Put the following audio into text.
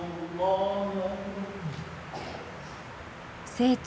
聖地